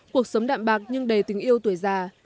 cuộc sống đạm bạc nhưng đầy tình yêu tuổi già